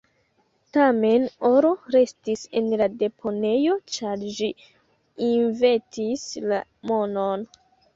Tamen, oro restis en la deponejo, ĉar ĝi "inventis" la monon.